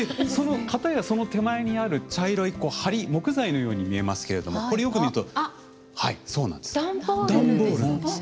かたやその手前にある茶色い梁木材のように見えますけれどもこれよく見るとはいそうなんです。